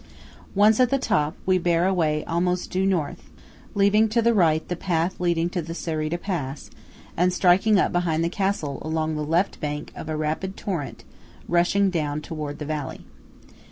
Once at the top we bear away almost due north, leaving to the right the path leading to the Cereda pass, and striking up behind the castle along the left bank of a rapid torrent rushing down toward the valley.